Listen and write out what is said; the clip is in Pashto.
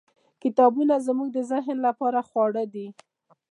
. کتابونه زموږ د ذهن لپاره خواړه دي.